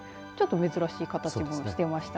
珍しい形をしていました。